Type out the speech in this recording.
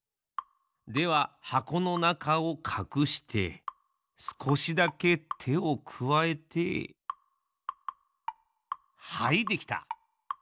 では箱のなかをかくしてすこしだけてをくわえてはいできた！